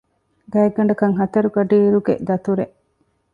ގާތްގަނޑަކަށް ހަތަރު ގަޑިއިރުގެ ދަތުރެއް